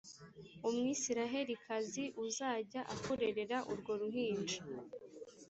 umwisirayelikazi uzajya akurerera urwo ruhinja